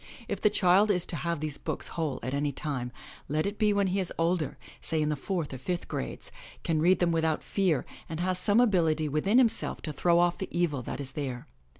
If the child is to have these books whole at any time, let it be when he is older, say in the fourth or fifth grades, can read them without fear and has some ability within himself to throw off the evil that is there.